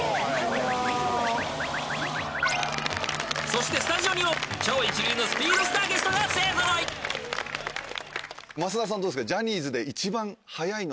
［そしてスタジオにも超一流のスピードスターゲストが勢揃い］